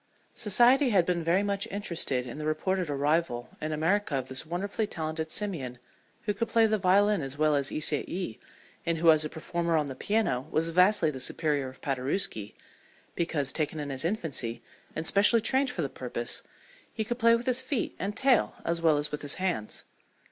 Society had been very much interested in the reported arrival in America of this wonderfully talented simian who could play the violin as well as Ysaye, and who as a performer on the piano was vastly the superior of Paderewski, because, taken in his infancy and specially trained for the purpose, he could play with his feet and tail as well as with his hands.